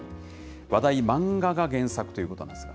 話題漫画が原作ということなんですが。